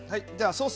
ソース